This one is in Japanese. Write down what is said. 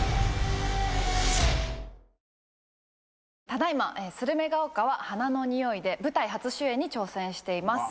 ただ今『スルメが丘は花の匂い』で舞台初主演に挑戦しています。